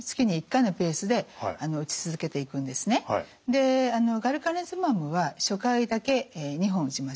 でガルカネズマブは初回だけ２本打ちます。